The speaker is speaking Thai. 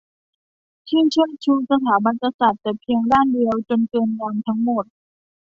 ที่เชิดชูสถาบันกษัตริย์แต่เพียงด้านเดียวจนเกินงามทั้งหมด